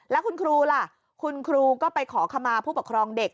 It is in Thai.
แล้วคุณครูล่ะคุณครูก็ไปขอขมาผู้ปกครองเด็ก